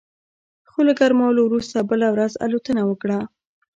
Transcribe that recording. خو له ګرمولو وروسته بله ورځ الوتنه وکړه